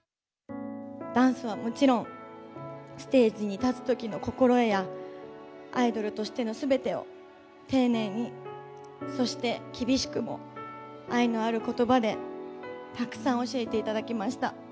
ダンスはもちろん、ステージに立つときの心得や、アイドルとしてのすべてを丁寧に、そして厳しくも愛のあることばでたくさん教えていただきました。